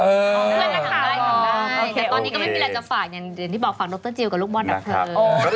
แต่ตอนนี้ก็ไม่มีอะไรจะฝากอย่างที่บอกฝากดรจิลกับลูกบอลด้าเธอ